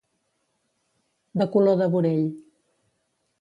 De color de burell.